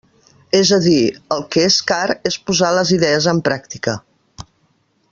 És a dir, el que és car és posar les idees en pràctica.